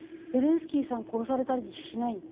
ゼレンスキーさん殺されたりしない？